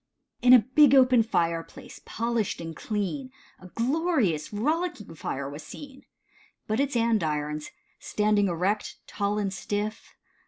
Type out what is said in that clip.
IN a big open fireplace, polished and clean, A glorious, rollicking fire was seen, But its Andirons, standing erect, tall and stiff.